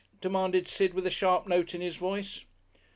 demanded Sid, with a sharp note in his voice.